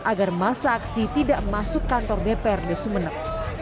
agar masa aksi tidak masuk kantor dprd sumeneb